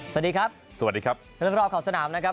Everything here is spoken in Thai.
สวัสดีครับสวัสดีครับเรื่องรอบขอบสนามนะครับ